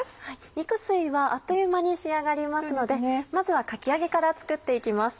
肉吸いはあっという間に仕上がりますのでまずはかき揚げから作っていきます。